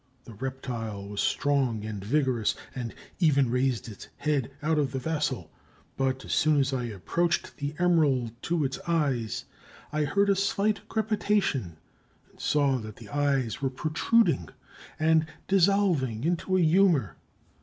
The reptile was strong and vigorous, and even raised its head out of the vessel, but as soon as I approached the emerald to its eyes, I heard a slight crepitation and saw that the eyes were protruding and dissolving into a humor.